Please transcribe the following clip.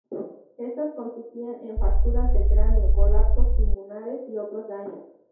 Estas consistían en fracturas de cráneo, colapsos pulmonares y otros daños.